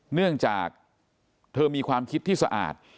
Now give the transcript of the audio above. เนื่องจากเธอมีความคิดที่สะอาด